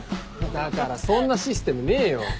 だからそんなシステムねえよ。